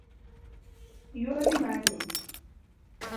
Yuori manyi